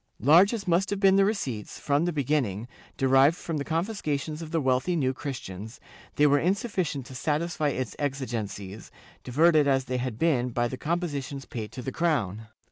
Large as must have been the receipts, from the beginning, derived from the confiscations of the wealthy New Christians, they were insufficient to satisfy its exigencies, diverted as they had been by the compositions paid to the crown.